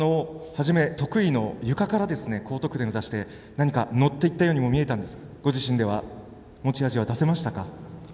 初め、得意のゆかから高得点を出して、何かのっていったようにも見えたんですがご自身では持ち味は出せましたか。